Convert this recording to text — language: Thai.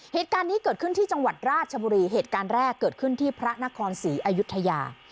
เหตุการณ์นี้เกิดขึ้นที่จังหวัดราชบุรีเหตุการณ์แรกเกิดขึ้นที่พระนครศรีอายุทยา